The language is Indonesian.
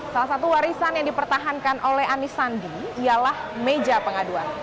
salah satu warisan yang dipertahankan oleh anis sandi ialah meja pengaduan